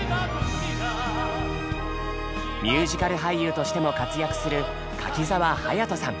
ミュージカル俳優としても活躍する柿澤勇人さん。